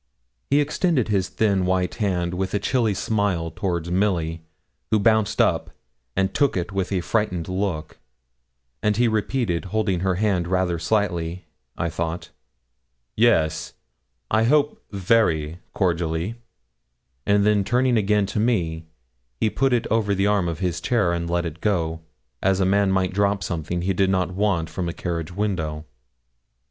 He extended his thin, white hand with a chilly smile towards Milly, who bounced up, and took it with a frightened look; and he repeated, holding her hand rather slightly I thought, 'Yes, I hope, very cordially,' and then turning again to me, he put it over the arm of his chair, and let it go, as a man might drop something he did not want from a carriage window.